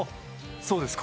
そうですか？